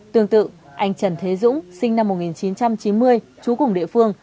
tương tự anh trần thế dũng sinh năm một nghìn chín trăm chín mươi trú cùng địa phương